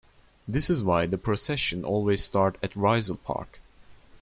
This is why the procession always start at Rizal Park.